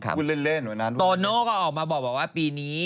คุณเล่นเลยนะรู้ไหมพี่ตอนโน้ก็ออกมาบอกว่าปีนี้